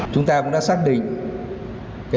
chúng ta cũng đã xác định